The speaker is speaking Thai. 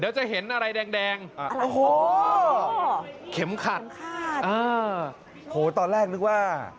เดี๋ยวจะเห็นอะไรแดงแข่มขัดตอนแรกนึกว่า